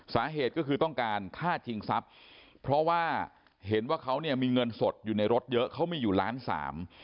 สาเหตุก็คือต้องการฆ่าชิงทรัพย์เพราะว่าเห็นว่าเขาเนี่ยมีเงินสดอยู่ในรถเยอะเขามีอยู่ล้านสาม